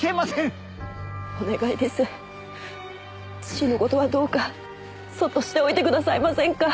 父の事はどうかそっとしておいてくださいませんか。